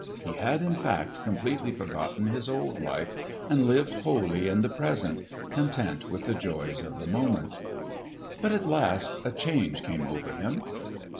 He had, in fact, completely forgotten his old life, and lived wholly in the present, content with the joys of the moment. But at last a change came over him.